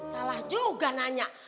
salah juga nanya